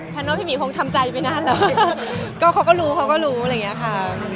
เพราะว่าพี่มีคงทำใจไปนานแล้วเขาก็รู้อะไรอย่างนี้ค่ะ